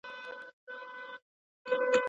راځه چې دواړه ولاړ شو د هغې ډبرې خواته